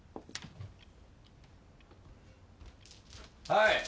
はい。